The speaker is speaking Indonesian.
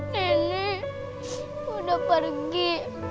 nenek udah pergi